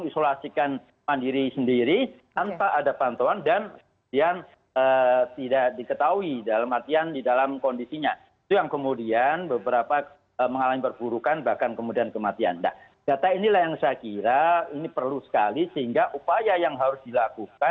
selamat sore mbak rifana